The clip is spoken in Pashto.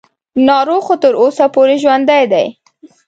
ناروغ خو تر اوسه پورې ژوندی دی.